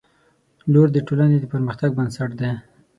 • لور د ټولنې د پرمختګ بنسټ دی.